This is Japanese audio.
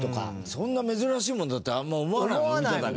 そんな珍しいものだってあんま思わないもんね。